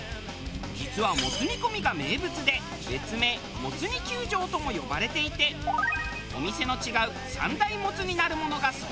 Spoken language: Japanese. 実はもつ煮込みが名物で別名もつ煮球場とも呼ばれていてお店の違う３大もつ煮なるものが存在。